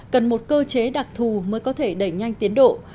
cần một cơ chế đặc thù mới có thể đẩy nhanh tiến độ